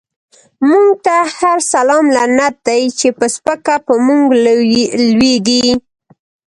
مونږ ته هر سلام لعنت دۍ، چی په سپکه په مونږ لویږی